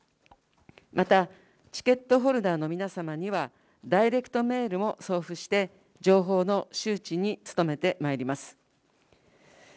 また、チケットホルダーの皆様には、ダイレクトメールを送付して、情報の周知に努めてまいります。